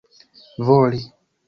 voli